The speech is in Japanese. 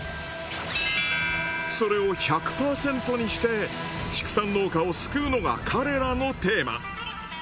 それを１００％にして畜産農家を救うのが彼らのテーマ。